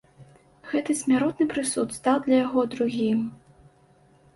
Гэты смяротны прысуд стаў для яго другім.